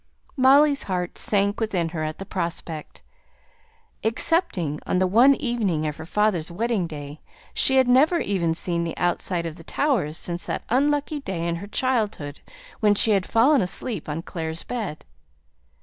Molly's heart sank within her at the prospect. Except on the one evening of her father's wedding day, she had never even seen the outside of the Towers since that unlucky day in her childhood when she had fallen asleep on Clare's bed.